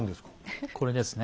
これですね。